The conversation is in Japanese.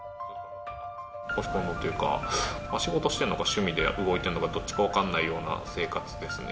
公私混同というか、仕事してるのか、趣味で動いてるのか、どっちか分かんないような生活ですね。